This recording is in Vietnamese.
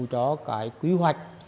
cho cái quy hoạch